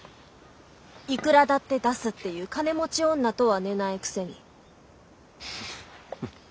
いくらだって出すっていう金持ち女とは寝ないくせに。